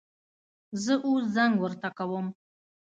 زه اوس زنګ ورته کوم